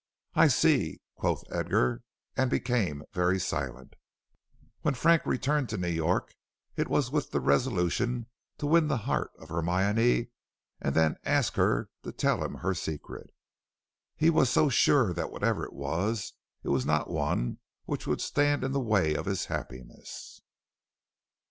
"I see," quoth Edgar, and became very silent. When Frank returned to New York it was with the resolution to win the heart of Hermione and then ask her to tell him her secret. He was so sure that whatever it was, it was not one which would stand in the way of his happiness.